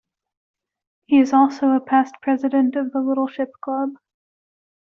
He is also a past-president of the Little Ship Club.